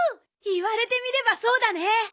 言われてみればそうだね。